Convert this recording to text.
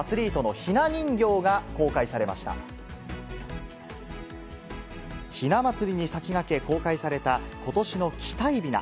ひな祭りに先駆け、公開された今年の期待びな。